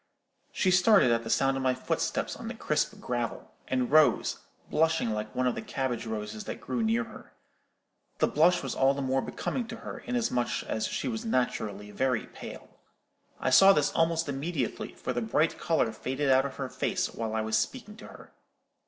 She started at the sound of my footsteps on the crisp gravel, and rose, blushing like one of the cabbage roses that grew near her. The blush was all the more becoming to her inasmuch as she was naturally very pale. I saw this almost immediately, for the bright colour faded out of her face while I was speaking to her.